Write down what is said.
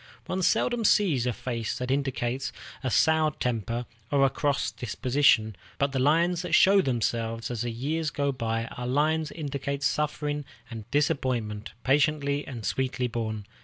One seldom sees a face that indicates a soured temper or a cross disposition, but the lines that show themselves as the years go by are lines that indicate suffering and disappointment, patiently and sweetly borne.